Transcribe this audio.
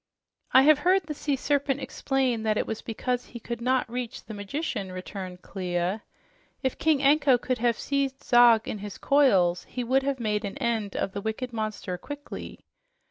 "I have heard the sea serpent explain that it was because he could not reach the magician," returned Clia. "If King Anko could have seized Zog in his coils, he would have made an end of the wicked monster quickly.